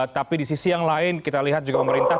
tapi di sisi yang lain kita lihat juga pemerintah